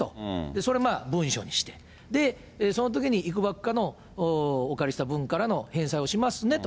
それを文書にして、そのときにいくばくかのお借りした分からの返済をしますねと。